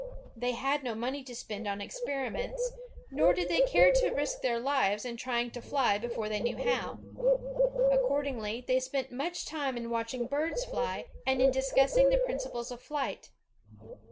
They had no money to spend on e:q)eriments, nor ORVILLE AND WILBUR WRIGHT 257 did they care to risk tlieir lives in trying to fly before they knew how. Accordingly they spent much time in watching birds fly, and in discussing the principles of flight.